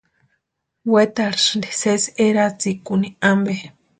Wetarhisïnti sési eratsikuni ampe.